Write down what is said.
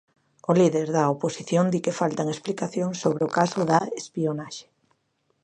O líder da oposición di que faltan explicacións sobre o caso da espionaxe.